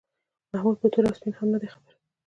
محمود په تور او سپین هم نه دی خبر.